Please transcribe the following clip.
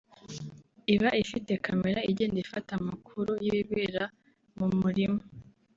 Iba ifite kamera igenda ifata amakuru y’ibibera mu murima